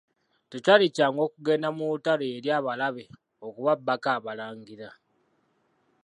Tekyali kyangu okugenda mu lutalo eri abalabe okubabbako abalangira.